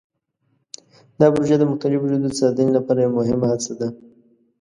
دا پروژه د مختلفو ژبو د ساتنې لپاره یوه مهمه هڅه ده.